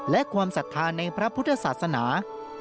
และความศรัทธาในพระพุทธศาสนา